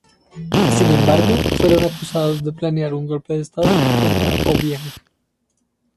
Sin embargo, fueron acusados de planear un Golpe de Estado contra Obiang.